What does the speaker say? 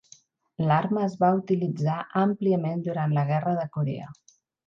L'arma es va utilitzar àmpliament durant la guerra de Corea.